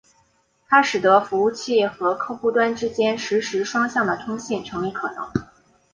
它使得服务器和客户端之间实时双向的通信成为可能。